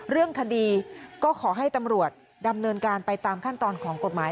เรื่องคดีก็ขอให้ตำรวจดำเนินการไปตามขั้นตอนของกฎหมาย